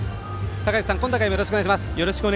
坂口さん、今大会もよろしくお願いします。